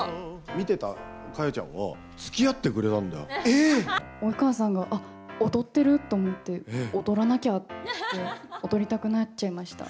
見てた果耶ちゃんが、つきあ及川さんが、あっ踊ってる！って思って、踊らなきゃ！って、踊りたくなっちゃいました。